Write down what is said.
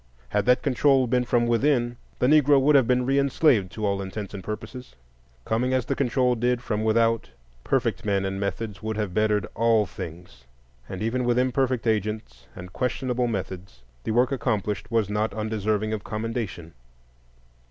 Had that control been from within, the Negro would have been re enslaved, to all intents and purposes. Coming as the control did from without, perfect men and methods would have bettered all things; and even with imperfect agents and questionable methods, the work accomplished was not undeserving of commendation.